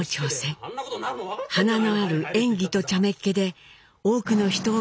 華のある演技とちゃめっ気で多くの人を魅了していきます。